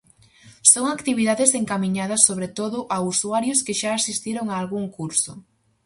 Son actividades encamiñadas sobre todo a usuarios que xa asistiron a algún curso.